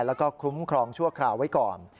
แล้วก็คุ้มครองชั่วคราวไว้ก่อน